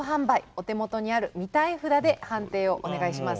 お手元にある「見たい札」で判定をお願いします。